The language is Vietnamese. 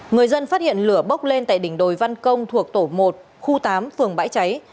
người dân phát hiện lửa bốc lên tại đỉnh đồi văn công thuộc tổ một khu tám phường bãi cháy